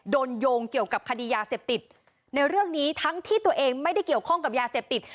โยงเกี่ยวกับคดียาเสพติดในเรื่องนี้ทั้งที่ตัวเองไม่ได้เกี่ยวข้องกับยาเสพติด